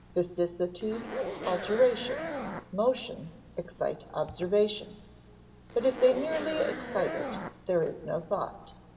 Vicissitude, alteration, motion, excite observation; but if they merely excite it, there is no thought.